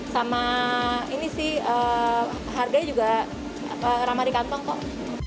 sama ini sih harganya juga ramah di kantong kok